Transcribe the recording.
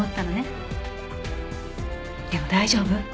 でも大丈夫？